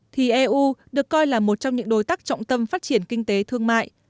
thì eu được coi là một trong những đối tác trọng tâm phát triển kinh tế thương mại